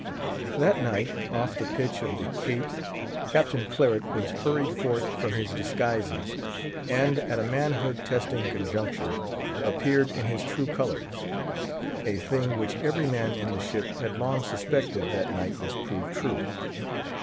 That night, off the pitch of the Cape, Captain Claret was hurried forth from his disguises, and, at a manhood testing conjuncture, appeared in his true colours. A thing which every man in the ship had long suspected that night was proved true.